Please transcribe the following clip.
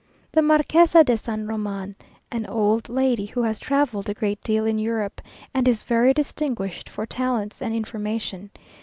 The Marquesa de San Roman, an old lady who has travelled a great deal in Europe, and is very distinguished for talents and information.